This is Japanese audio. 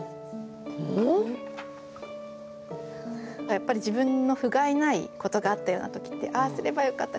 やっぱり自分のふがいないことがあったような時って「ああすればよかった」